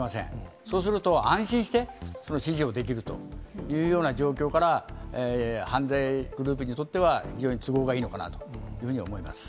そうすると、安心して指示をできるというような状況から、犯罪グループにとっては、非常に都合がいいのかなというふうに思います。